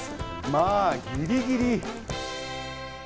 まぁギリギリ！